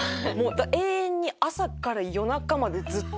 永遠に朝から夜中までずっと見てて。